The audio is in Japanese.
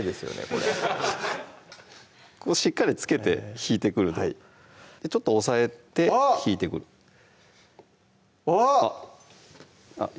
これしっかりつけて引いてくるはいちょっと押さえて引いてくるあっ！